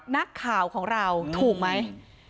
นักข่าวของเราถูกไหม